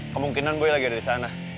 kemungkinan gue lagi ada di sana